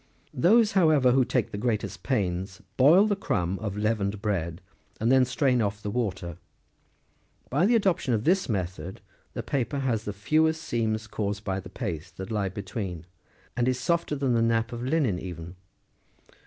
Those, however, who take the greatest pains, boil the crumb of leavened bread, and then strain off the water : by the adoption of this method the paper has the fewest seams caused by the paste that lies between, and is softer than the nap of linen even.